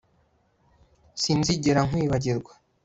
sinzigera nkwibagirwa